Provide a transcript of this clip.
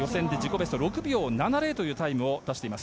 ベスト６秒７０というタイムを出しています。